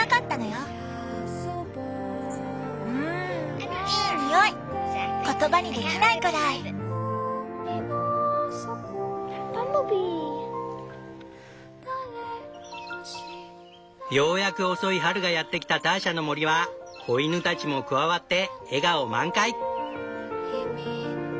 ようやく遅い春がやってきたターシャの森は子犬たちも加わって笑顔満開！